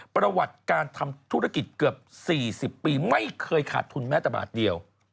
ประวัติการทำธุรกิจเกือบ๔๐ปีไม่เคยขาดทุนแม้แต่บาทเดียว